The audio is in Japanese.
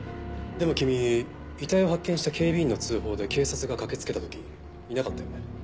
でも君遺体を発見した警備員の通報で警察が駆けつけた時いなかったよね？